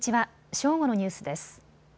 正午のニュースです。